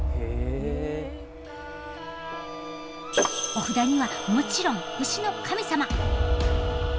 お札にはもちろん牛の神様。